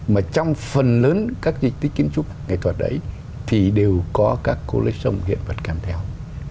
mà trong phần lớn các di tích kiến trúc nghệ thuật ấy thì đều có các collection hiện vật kèm theo